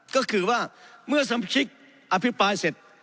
ก็คือว่าเมื่อสำคัญฯภาษาอภิกษาด้วยอธิบายเสร็จ